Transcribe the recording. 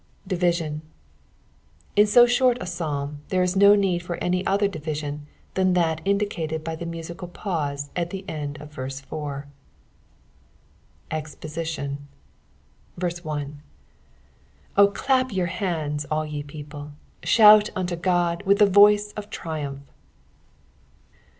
DiviHioN, in ao short a Psalm, there is no 7ie«d of any other division than that in treated by the mutiatl pauit at tht end of verse i. EXPOSITION. OCLAF your hands, all ye people ; shout unto God with the voice of triumph.